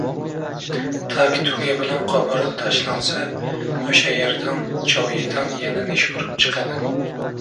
Tag-tugi bilan qo‘porib tashlansa, o‘sha yerdan, joyidan yana nish urib chiqadi.